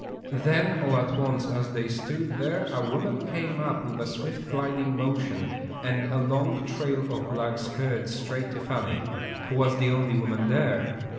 Then all at once as they stood there a woman came up with a swift, gliding motion and a long trail of black skirts straight to Fanny, who was the only woman there.